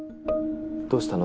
どうしたの？